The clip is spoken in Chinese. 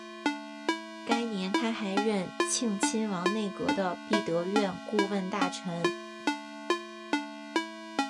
该年他还任庆亲王内阁的弼德院顾问大臣。